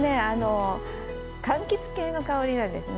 かんきつ系の香りなんですよね。